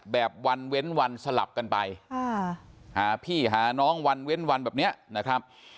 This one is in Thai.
แบบวันเว้นวันสลับกันไปหาพี่หาน้องวันเว้นวันแบบนี้นะครับ